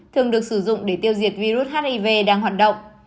thường được sử dụng để tiêu diệt virus hiv đang hoạt động